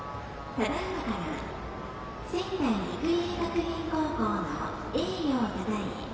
ただいまから仙台育英学園の栄誉をたたえ